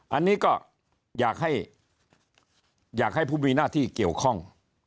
อันนี้ก็อยากให้อยากให้ผู้มีหน้าที่เกี่ยวข้อง